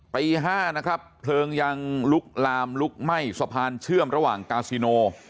ปี๕นะครับเพลิงยังลุกลามลุกไหม้สะพานเชื่อมระหว่างกาซิโน